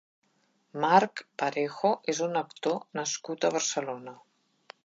Marc Parejo és un actor nascut a Barcelona.